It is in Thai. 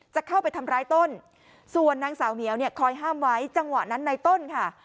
จะเข้าไปทำร้ายต้นส่วนนางสาวเหมียวเนี่ยคอยห้ามไว้จังหวะนั้นในต้นค่ะ